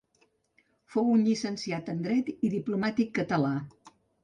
Fou un llicenciat en Dret i diplomàtic català.